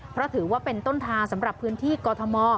เพราะถือว่าเป็นต้นทางสำหรับพื้นที่กอทม